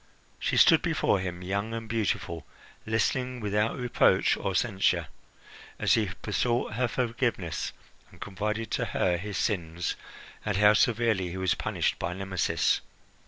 She stood before him, young and beautiful, listening without reproach or censure as he besought her forgiveness and confided to her his sins, and how severely he was punished by Nemesis.